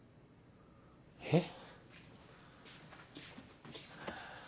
えっ？